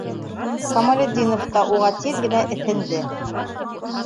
Камалетдинов та уға тиҙ генә эҫенде.